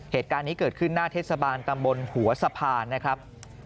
เหตุการณ์นี้เกิดขึ้นหน้าเทศบาลตำบลหัวสะพานนะครับ